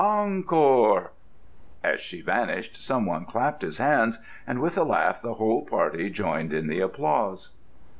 "Encore!" As she vanished some one clapped his hands, and with a laugh the whole party joined in the applause.